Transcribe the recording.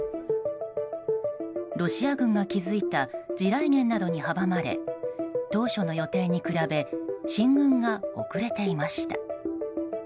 ロシア軍が築いた地雷原などに阻まれ当初の予定に比べ進軍が遅れていました。